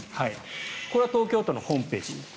これは東京都のホームページ。